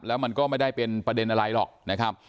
แล้วมันก็ไม่ได้เป็นประเด็นอะไรหรอกนะครับ